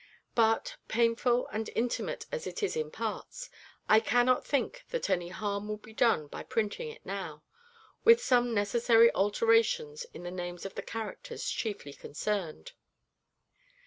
But, painful and intimate as it is in parts, I cannot think that any harm will be done by printing it now, with some necessary alterations in the names of the characters chiefly concerned.